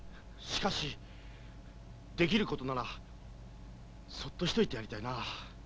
しかしできることならそっとしといてやりたいな。